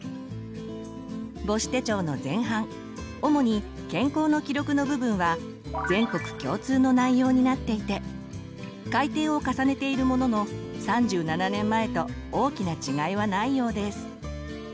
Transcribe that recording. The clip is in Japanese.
母子手帳の前半主に健康の記録の部分は全国共通の内容になっていて改訂を重ねているものの３７年前と大きな違いはないようです。